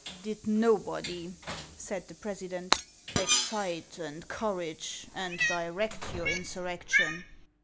" Did nobody," said the president, " excite, encourage, and direct your insurrection